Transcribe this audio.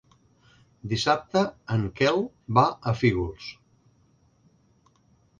Dissabte en Quel va a Fígols.